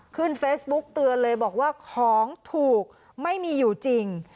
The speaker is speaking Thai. ขึ้นเฟซบุ๊กเตือนเลยบอกว่าของถูกไม่มีอยู่จริง